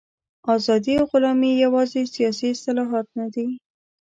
ازادي او غلامي یوازې سیاسي اصطلاحات نه دي.